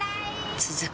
続く